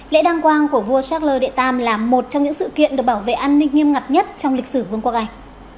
lễ đăng quang của vua charles viii là một trong những sự kiện được bảo vệ an ninh nghiêm ngặt nhất trong lịch sử quân quốc anh